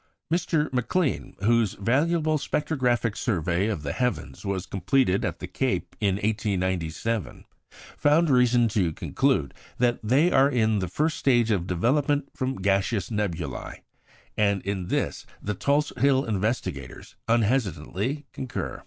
Mr. McClean, whose valuable spectrographic survey of the heavens was completed at the Cape in 1897, found reason to conclude that they are in the first stage of development from gaseous nebulæ; and in this the Tulse Hill investigators unhesitatingly concur.